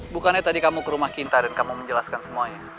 bukannya tadi kamu ke rumah cinta dan kamu menjelaskan semuanya